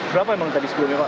berapa emang tadi sebelumnya pak